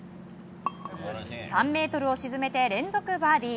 ３ｍを沈めて連続バーディー。